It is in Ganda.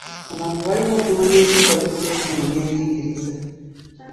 Abantu balina okumanya enkyukakyuka eziri mu byenjigiriza.